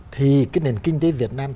thì cái nền kinh tế việt nam